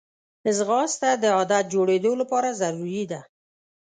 ځغاسته د عادت جوړېدو لپاره ضروري ده